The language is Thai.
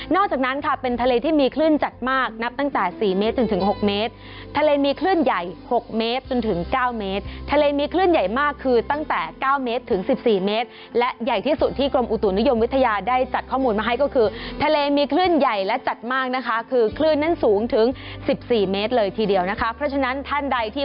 จากนั้นค่ะเป็นทะเลที่มีคลื่นจัดมากนับตั้งแต่สี่เมตรจนถึง๖เมตรทะเลมีคลื่นใหญ่๖เมตรจนถึงเก้าเมตรทะเลมีคลื่นใหญ่มากคือตั้งแต่เก้าเมตรถึงสิบสี่เมตรและใหญ่ที่สุดที่กรมอุตุนิยมวิทยาได้จัดข้อมูลมาให้ก็คือทะเลมีคลื่นใหญ่และจัดมากนะคะคือคลื่นนั้นสูงถึงสิบสี่เมตรเลยทีเดียวนะคะเพราะฉะนั้นท่านใดที่